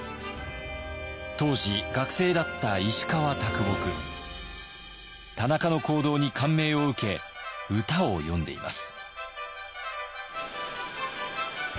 当時学生だった田中の行動に感銘を受け歌を詠んでいます。